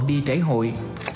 đi trễ hội